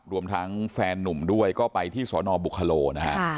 รวมทั้งแฟนนุ่มด้วยก็ไปที่สนบุคโลนะฮะ